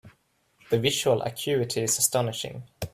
The visual acuity is astonishing.